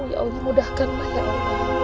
ya allah mudahkanlah ya allah